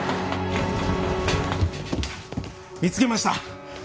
見つけました！